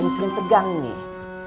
ini anus yang tegang nih